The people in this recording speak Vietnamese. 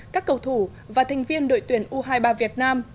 các cầu thủ và thành viên đội tuyển u hai mươi ba việt nam